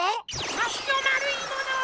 わしのまるいものっ！